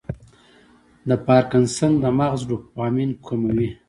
د پارکنسن د مغز ډوپامین کموي.